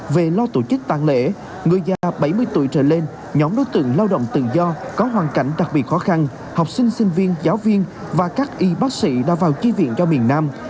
về lo tổ chức tàn lễ người già bảy mươi tuổi trở lên nhóm đối tượng lao động tự do có hoàn cảnh đặc biệt khó khăn học sinh sinh viên giáo viên và các y bác sĩ đã vào chi viện cho miền nam